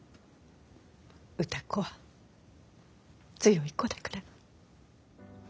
歌子は強い子だから。